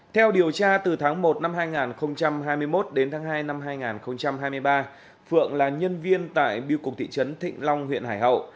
theo điều tra từ tháng một năm hai nghìn hai mươi một đến tháng hai năm hai nghìn hai mươi ba phượng là nhân viên tại biêu cục thị trấn thịnh long huyện hải hậu